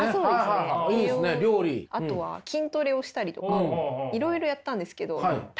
あとは筋トレをしたりとかいろいろやったんですけどハハハハハ！